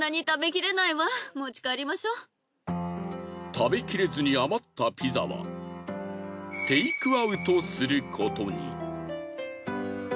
食べきれずに余ったピザはテイクアウトすることに。